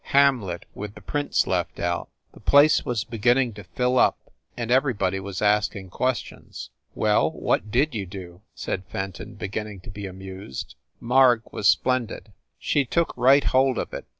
Hamlet, with the prince left out. The place was beginning to fill up and everybody was asking questions." "Well, what did you do ?" said Fenton, beginning to be amused. "Marg was splendid; she took right hold of it.